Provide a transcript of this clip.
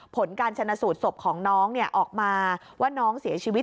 ผลการชนะสูตรศพของน้องออกมาว่าน้องเสียชีวิต